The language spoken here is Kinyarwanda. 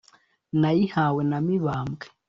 Nayihawe na Mibambwe,